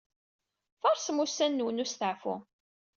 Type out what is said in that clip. Faṛsem ussan-nwen n usteɛfu.